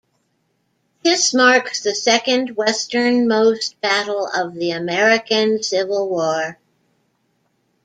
This marks the second westernmost battle of the American Civil War.